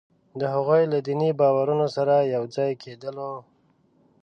د هغوی له دیني باورونو سره یو ځای کېدلو وو.